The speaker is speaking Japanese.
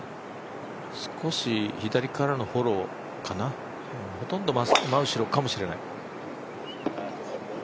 少し左からのフォローかな、ほとんど真後ろかもしれない。